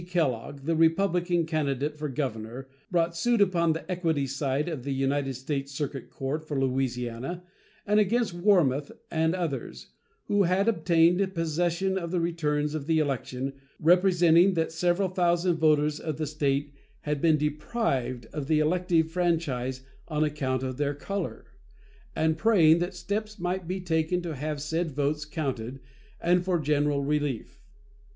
Kellogg, the Republican candidate for governor, brought suit upon the equity side of the United States circuit court for Louisiana, and against Warmoth and others, who had obtained possession of the returns of the election, representing that several thousand voters of the State had been deprived of the elective franchise on account of their color, and praying that steps might be taken to have said votes counted and for general relief.